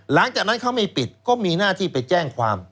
หลังจากนั้นเขาไม่ปิดก็มีหน้าที่ไปแจ้งความ